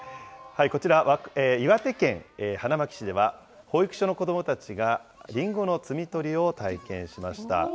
こちら、岩手県花巻市では、保育所の子どもたちが、リンゴの摘み取りを体験しました。